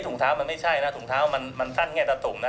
ถุงเท้ามันไม่ใช่นะถุงเท้ามันสั้นแค่ตะถุงนะ